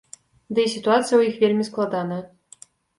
Ды й сітуацыя ў іх вельмі складаная.